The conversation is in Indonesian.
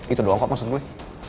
itu doang kok maksud gue